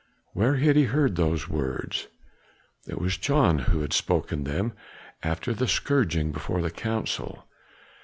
'" Where had he heard those words? It was John who had spoken them after the scourging before the council.